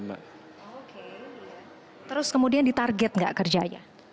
terus kemudian ditarget nggak kerjanya